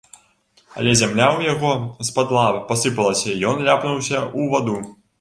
Але зямля ў яго з-пад лап пасыпалася, і ён ляпнуўся ў ваду.